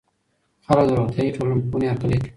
خلګ د روغتيائي ټولنپوهنې هرکلی کوي.